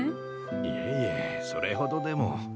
いえいえそれほどでも。